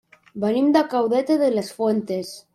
Venim de Caudete de las Fuentes.